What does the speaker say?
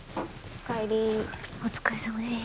お疲れさまです。